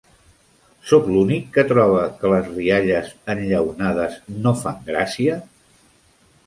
Sóc l'únic que troba que les rialles enllaunades no fan gràcia?